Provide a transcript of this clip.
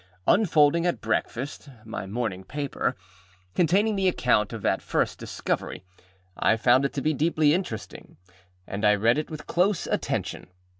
Unfolding at breakfast my morning paper, containing the account of that first discovery, I found it to be deeply interesting, and I read it with close attention.